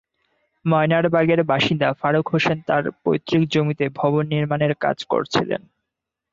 ময়নারবাগের বাসিন্দা ফারুক হোসেন তাঁর পৈতৃক জমিতে ভবন নির্মাণের কাজ করছিলেন।